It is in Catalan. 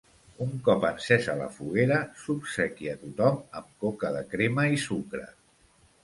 Un cop encesa la foguera s'obsequia tothom amb coca de crema i sucre.